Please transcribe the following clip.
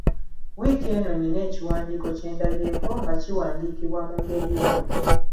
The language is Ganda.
Wiiki eno nnina ekiwandiiko kye ndabyeko nga kiwandiikiddwa mu ngeri eno.